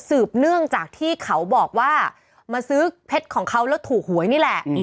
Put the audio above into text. สืบเนื่องจากที่เขาบอกว่ามาซื้อเพชรของเขาแล้วถูกหวยนี่แหละ